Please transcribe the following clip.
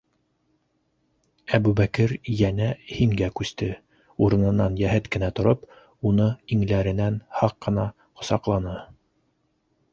- Әбүбәкер йәнә «һин»гә күсте, урынынан йәһәт кенә тороп, уны иңләренән һаҡ ҡына ҡосаҡланы.